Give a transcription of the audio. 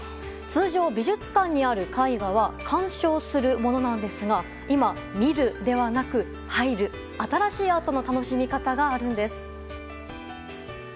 通常、美術館にある絵画は鑑賞するものなんですが今、見るではなく入る新しいアートの楽しみ方があるんです。